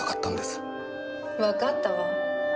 わかったわ。